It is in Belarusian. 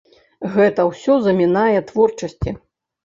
Гэта ўсё замінае творчасці.